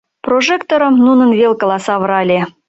Прожекторым нунын велкыла савырале.